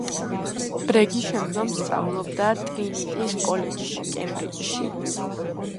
ბრეგი შემდგომ სწავლობდა ტრინიტის კოლეჯში, კემბრიჯში.